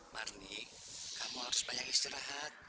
marnik kamu harus banyak istirahat